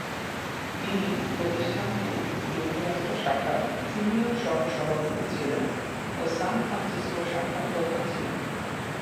তিনি প্রতিষ্ঠানটির যুক্তরাষ্ট্র শাখার সিনিয়র সহসভাপতি ছিলেন ও সান ফ্রান্সিসকো শাখার প্রধান ছিলেন।